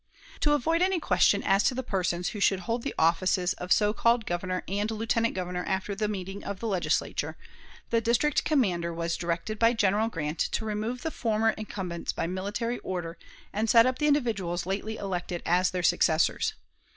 To avoid any question as to the persons who should hold the offices of so called Governor and Lieutenant Governor after the meeting of the Legislature, the district commander was directed by General Grant to remove the former incumbents by military order and set up the individuals lately elected as their successors.